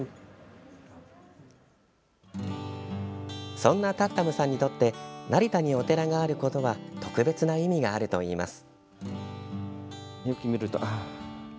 そんなタッタムさんにとって成田にお寺があることは特別な意味があるといいます。